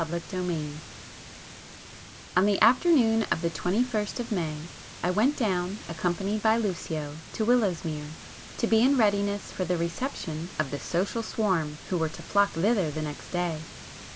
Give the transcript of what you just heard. [p 254]XXII On the afternoon of the twenty first of May, I went down, accompanied by Lucio, to Willowsmere, to be in readiness for the reception of the social swarm who were to flock thither the next day.